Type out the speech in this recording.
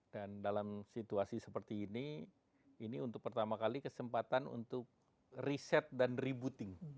dan dalam situasi seperti ini ini untuk pertama kali kesempatan untuk reset dan rebooting